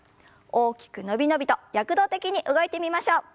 大きく伸び伸びと躍動的に動いてみましょう。